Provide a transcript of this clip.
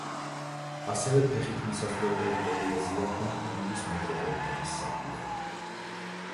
ასევე ფეხით მისასვლელ ტერიტორიაზეა ჰონგ-კონგის მეტროპოლიტენის სადგურები.